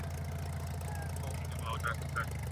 ښوونکي او والدین باید دوامداره اړیکه ولري.